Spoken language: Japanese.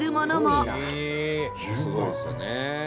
すごいですよね。